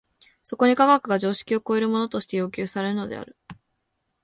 そこに科学が常識を超えるものとして要求されるのである。